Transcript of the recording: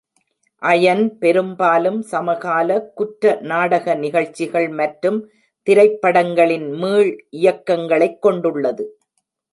Iron பெரும்பாலும் சமகால குற்ற-நாடக நிகழ்ச்சிகள் மற்றும் திரைப்படங்களின் மீள்இயக்கங்களைக் கொண்டுள்ளது.